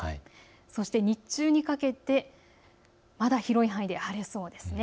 そして日中にかけて、まだ広い範囲で晴れそうです。